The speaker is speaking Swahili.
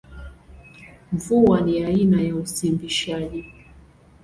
Mvua ni aina ya usimbishaji.